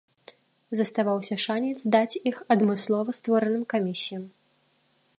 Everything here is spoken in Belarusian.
Заставаўся шанец здаць іх адмыслова створаным камісіям.